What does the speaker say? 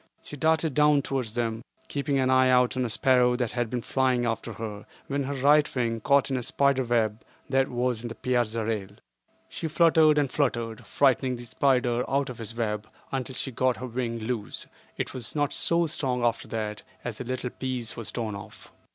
She darted down towards them, keeping an eye out on a sparrow that had been flying after her, when her right wing caught in a spider web that was in the piazza rail. She fluttered and fluttered, frightening the spider out of his web, until she got her wing loose; but it was not so strong after that, as a little piece was torn off.